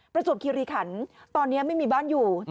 ประจวบคิริขันตอนนี้ไม่มีบ้านอยู่